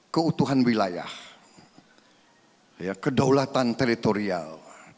keutuhan wilayah kedaulatan teritorial